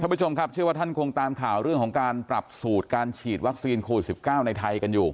ผู้ชมครับเชื่อว่าท่านคงตามข่าวเรื่องของการปรับสูตรการฉีดวัคซีนโควิด๑๙ในไทยกันอยู่